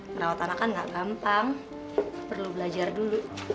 merawat anak kan gak gampang perlu belajar dulu